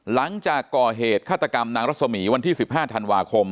หลังจากก่อเหตุฆาตกรรมนางรัศมีวันที่๑๕ธันวาคม